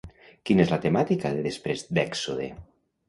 Quina és la temàtica de Després d'Èxode?